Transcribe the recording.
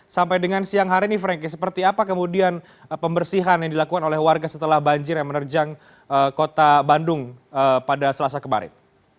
sampai dengan siang hari ini frankie seperti apa kemudian pembersihan yang dilakukan oleh warga setelah banjir yang menerjang kota bandung pada selasa kemarin